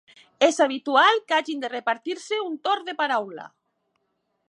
És habitual que hagin de repartir-se un torn de paraula.